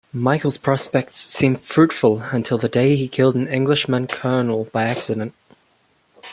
Michael's prospects seemed fruitful until the day he killed an Englishman colonel by accident.